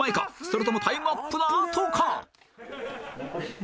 それともタイムアップのあとか？